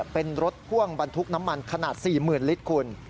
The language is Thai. เป็นรถพ่วงบรรทุกน้ำมันขนาด๔๐๐๐ลิตรคุณ